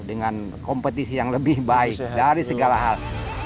dengan kompetisi yang lebih baik dari segala hal